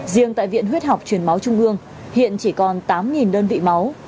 riêng tại viện huyết học truyền máu trung ương hiện chỉ còn tám đơn vị máu